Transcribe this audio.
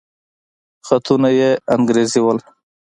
خطونه يې انګريزي وو.